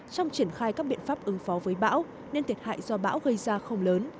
trong triển khai các biện pháp ứng phó với bão nên thiệt hại do bão gây ra không lớn